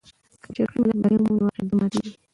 که شرقي ملت بری ومومي، نو عقیده ماتېږي.